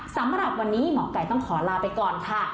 สำหรับวันนี้หมอไก่ต้องขอลาไปก่อนค่ะ